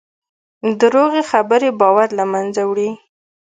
دروغې خبرې باور له منځه وړي.